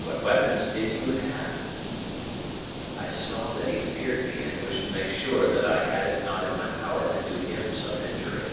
What weapons did you have?" I saw that he feared me and wished to make sure that I had it not in my power to do him some injury.